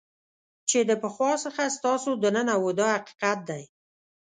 چې د پخوا څخه ستاسو دننه وو دا حقیقت دی.